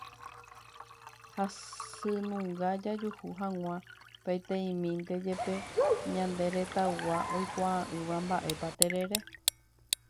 Hasynunga jajuhu hag̃ua peteĩmínte jepe ñane retãygua oikuaa'ỹva mba'épa terere.